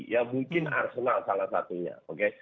ya mungkin arsenal salah satunya oke